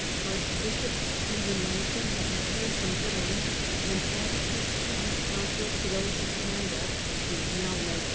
Archbishop Stephen Langton HENRY III. 6l had returned from Italy, and added his prudent coun sels to those of Pandulf, who was now legate.